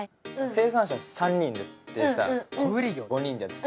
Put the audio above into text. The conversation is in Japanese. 生産者３人でさ小売業５人でやってたやん。